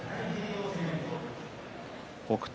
北勝